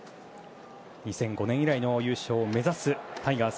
２００５年以来の優勝を目指すタイガース。